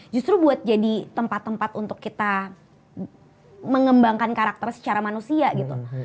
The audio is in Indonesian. justru buat jadi tempat tempat untuk kita mengembangkan karakter secara manusia gitu